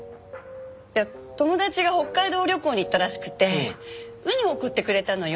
いや友達が北海道旅行に行ったらしくてウニを送ってくれたのよ。